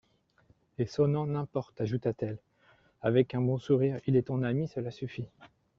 Et sonnant : N'importe, ajouta-t-elle avec un bon sourire ; il est ton ami, cela suffit.